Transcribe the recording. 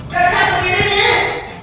berserah sendiri nih